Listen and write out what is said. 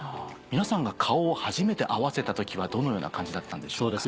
皆さんが顔を初めて合わせた時はどのような感じだったんでしょうか？